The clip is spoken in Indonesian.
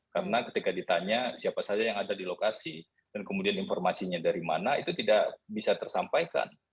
karena ketika ditanya siapa saja yang ada di lokasi dan kemudian informasinya dari mana itu tidak bisa tersampaikan